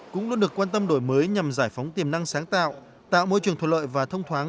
cũng luôn được quan tâm đổi mới nhằm giải phóng tiềm năng sáng tạo tạo môi trường thuận lợi và thông thoáng